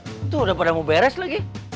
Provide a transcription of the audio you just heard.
itu udah pada mau beres lagi